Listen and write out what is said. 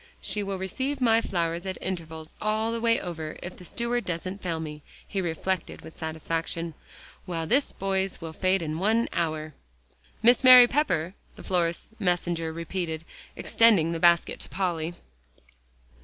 "She will receive my flowers at intervals all the way over, if the steward doesn't fail me," he reflected with satisfaction, "while this boy's will fade in an hour." "Miss Mary Pepper?" the florist's messenger repeated, extending the basket to Polly.